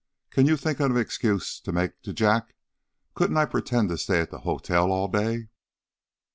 Can you think of an excuse to make to Jack? Couldn't I pretend to stay at the hotel all day?"